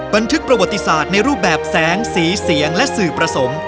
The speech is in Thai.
บันทึกประวัติศาสตร์ในรูปแบบแสงสีเสียงและสื่อผสม